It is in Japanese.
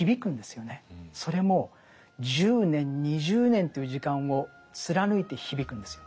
それも１０年２０年という時間を貫いて響くんですよ。